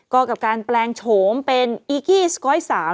ก็กับการแปลงโฉมเป็นอีกี้สก๊อยสาว